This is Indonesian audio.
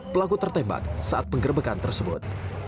pelaku tertembak saat penggerbekan tersebut